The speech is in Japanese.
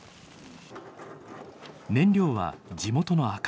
燃料は地元の赤松。